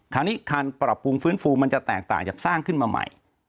คราวนี้การปรับปรุงฟื้นฟูมันจะแตกต่างจากสร้างขึ้นมาใหม่